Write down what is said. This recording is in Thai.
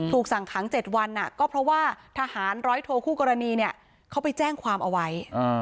ถูกสั่งถังเจ็ดวันก็เพราะว่าทหารร้อยโทรคู่กรณีเขาไปแจ้งความเอาไว้